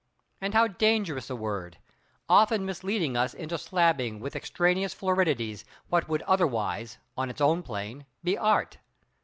And how dangerous a word—often misleading us into slabbing with extraneous floridities what would otherwise, on its own plane, be Art!